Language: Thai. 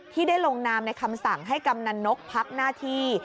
ที่ได้ลงนามในคำสั่งให้กำนันนกพักหน้าที่